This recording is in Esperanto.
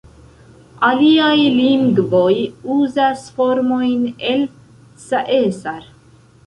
Aliaj lingvoj uzas formojn el "caesar".